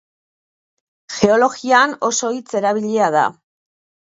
Geologian, oso hitz erabilia da.